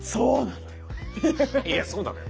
いやそうなのよ。